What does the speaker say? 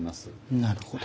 なるほど。